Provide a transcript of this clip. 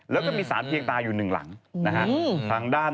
แล้วก็มีสารเพียงตาอยู่หนึ่งหลังนะฮะ